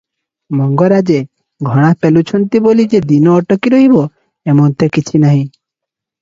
ମଙ୍ଗରାଜେ ଘଣା ପେଲୁଛନ୍ତି ବୋଲି ଯେ ଦିନ ଅଟକି ରହିବ, ଏମନ୍ତ କିଛି ନୁହେଁ ।